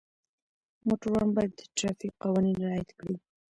موټروان باید د ټرافیک قوانین رعایت کړي.